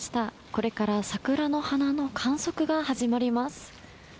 これから桜の花の観測が始まります。